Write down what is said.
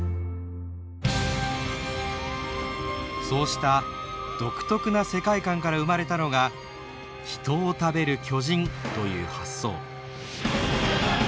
そうした独特な世界観から生まれたのが「人を食べる巨人」という発想。